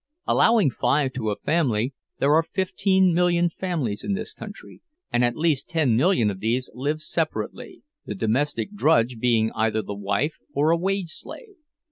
Allowing five to a family, there are fifteen million families in this country; and at least ten million of these live separately, the domestic drudge being either the wife or a wage slave.